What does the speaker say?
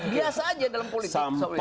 biasa saja dalam politik